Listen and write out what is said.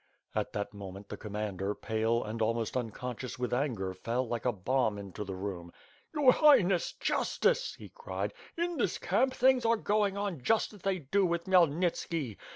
At that moment, the commander, pale and almost un conscious with anger, fell like a bomb into the room. "Your Highness, justice!" he cried. "In this camp, things are going on just as they do with Khmyelnitski.